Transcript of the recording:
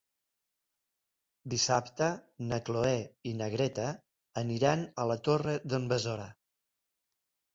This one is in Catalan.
Dissabte na Cloè i na Greta aniran a la Torre d'en Besora.